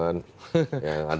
yang ada pan